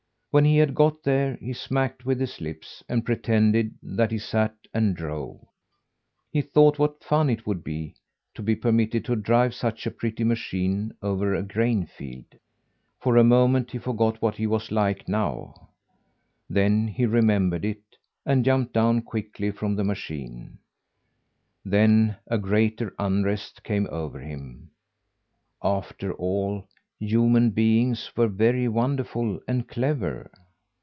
When he had got there, he smacked with his lips and pretended that he sat and drove. He thought what fun it would be to be permitted to drive such a pretty machine over a grainfield. For a moment he forgot what he was like now; then he remembered it, and jumped down quickly from the machine. Then a greater unrest came over him. After all, human beings were very wonderful and clever.